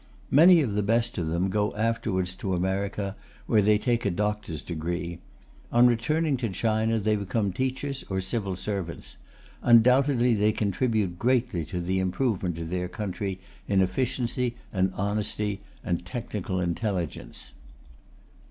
Many of the best of them go afterwards to America, where they take a Doctor's degree. On returning to China they become teachers or civil servants. Undoubtedly they contribute greatly to the improvement of their country in efficiency and honesty and technical intelligence.